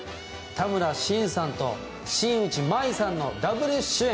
田村心さんと新内眞衣さんのダブル主演。